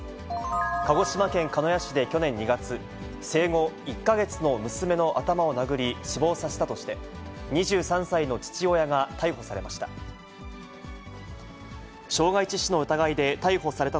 鹿児島県鹿屋市で去年２月、生後１か月の娘の頭を殴り死亡させたとして、２３歳の父親が逮捕されました。